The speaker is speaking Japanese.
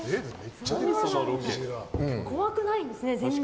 怖くないんですね、全然。